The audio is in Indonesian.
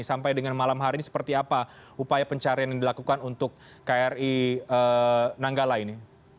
sampai dengan malam hari ini seperti apa upaya pencarian yang dilakukan untuk kri nanggala ini